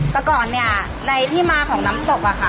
แต่ก่อนเนี่ยในที่มาของน้ำตกอะค่ะ